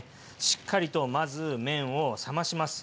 しっかりとまず麺を冷まします。